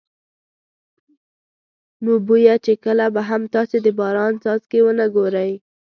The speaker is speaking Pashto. نو بویه چې کله به هم تاسې د باران څاڅکي ونه ګورئ.